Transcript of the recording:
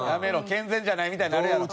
健全じゃないみたいになるやろ。